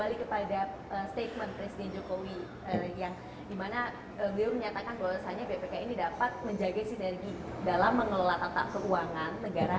yang di mana dia menyatakan bahwa rasanya bpk ini dapat menjaga sinergi dalam mengelola tata keuangan negara